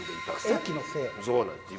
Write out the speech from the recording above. そうなんです。